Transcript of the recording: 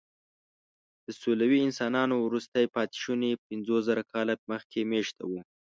د سولويي انسانانو وروستي پاتېشوني پنځوسزره کاله مخکې مېشته وو.